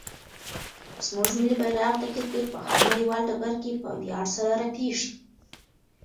زموږ ملي بیرغ د کرکټ په هر نړیوال ډګر کې په ویاړ سره رپېږي.